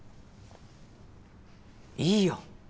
いいよ。